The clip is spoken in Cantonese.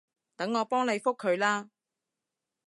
等我幫你覆佢啦